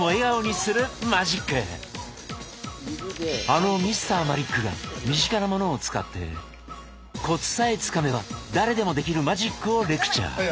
あのＭｒ．マリックが身近なものを使ってコツさえつかめば誰でもできるマジックをレクチャ―。